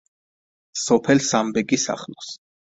სოფელ სამბეკის ახლოს.